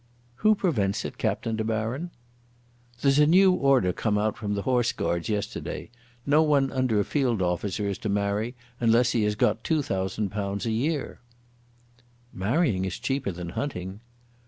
"Who prevents it, Captain de Baron?" "There's a new order come out from the Horse Guards yesterday. No one under a field officer is to marry unless he has got £2,000 a year." "Marrying is cheaper than hunting."